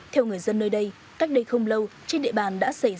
theo người dân nơi đây cách đây không lâu trên địa bàn đã xảy ra một trường hợp